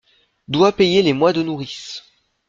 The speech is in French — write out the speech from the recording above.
Doit payer les mois de nourrice.